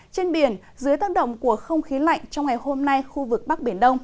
trên biển dưới tăng động của không khí lạnh trong ngày hôm nay khu vực bắc biển đông